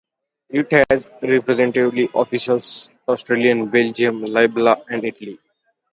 It has representative offices in Australia, Belgium, Libya and Italy.